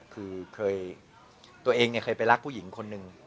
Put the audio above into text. คือเคยตัวเองเคยไปรักผู้หญิงคนหนึ่ง